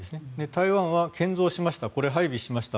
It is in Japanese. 台湾は建造しましたこれ、配備しました